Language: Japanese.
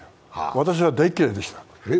私は大嫌いでした。